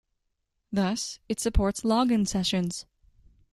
Thus it supports login sessions.